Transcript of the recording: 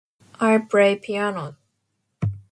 I play piano.